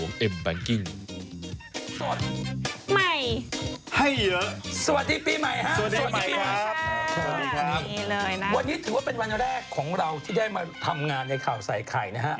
วันนี้ถือว่าเป็นวันแรกของเราที่ได้มาทำงานในข่าวใส่ไข่นะฮะ